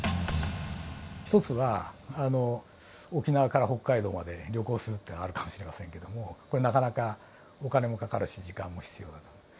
一つは沖縄から北海道まで旅行するっていうのはあるかもしれませんけどもこれなかなかお金もかかるし時間も必要だと。